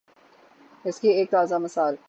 اس کی ایک تازہ مثال